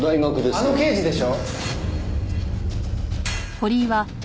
あの刑事でしょ？